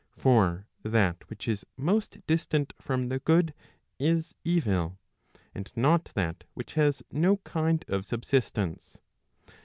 For that which is most distant from the good is evil, and not that which has no kind of subsistence.